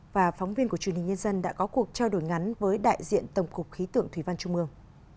và phóng viên của truyền hình nhân dân đã có cuộc trao đổi ngắn với đại diện tổng cục khí tượng thủy văn trung mương